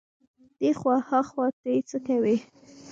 دې خوا ها خوا ته يې څکوي.